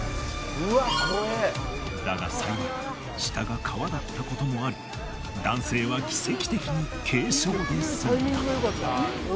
だが幸い下が川だったこともあり男性は奇跡的に軽傷で済んだ。